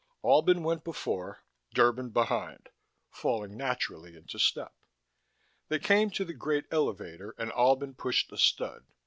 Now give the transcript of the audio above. Albin went before, Derban behind, falling naturally into step. They came to the great elevator and Albin pushed a stud.